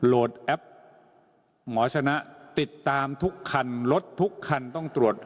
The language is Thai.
แอปหมอชนะติดตามทุกคันรถทุกคันต้องตรวจ